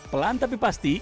pelan tapi pasti